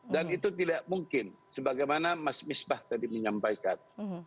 dan itu tidak mungkin sebagaimana mas misbah tadi menyampaikan